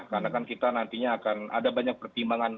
karena kan kita nantinya akan ada banyak pertimbangan